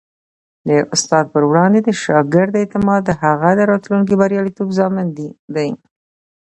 د استاد پر وړاندې د شاګرد اعتماد د هغه د راتلونکي بریالیتوب ضامن دی.